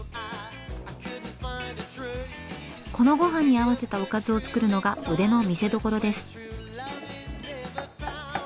このごはんに合わせたおかずを作るのが腕の見せどころです。